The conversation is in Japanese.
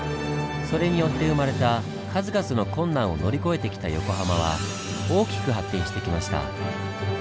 それによって生まれた数々の困難を乗り越えてきた横浜は大きく発展してきました。